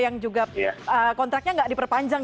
yang juga kontraknya nggak diperpanjang